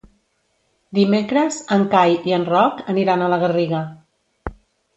Dimecres en Cai i en Roc aniran a la Garriga.